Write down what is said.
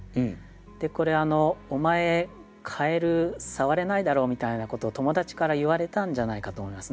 でこれ「お前カエルさわれないだろ」みたいなことを友達から言われたんじゃないかと思いますね。